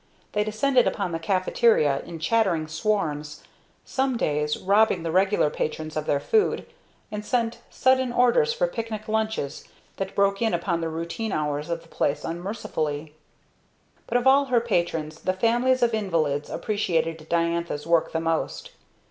They descended upon the caffeteria in chattering swarms, some days, robbing the regular patrons of their food, and sent sudden orders for picnic lunches that broke in upon the routine hours of the place unmercifully. But of all her patrons, the families of invalids appreciated Diantha's work the most.